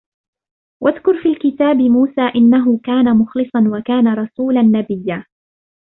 واذكر في الكتاب موسى إنه كان مخلصا وكان رسولا نبيا